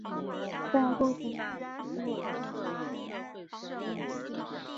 在不同地区涵义亦有差异。